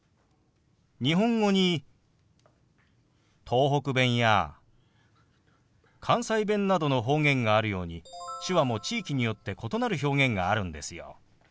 日本語に東北弁や関西弁などの方言があるように手話も地域によって異なる表現があるんですよ。